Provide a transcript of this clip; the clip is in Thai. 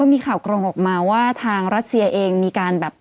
มีข่าวกรงออกมาว่าทางรัสเซียเองมีการแบบ